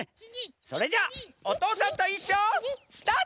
それじゃあ「おとうさんといっしょ」スタート！